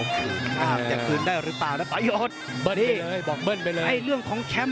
พี่น้องอ่ะพี่น้องอ่ะพี่น้องอ่ะ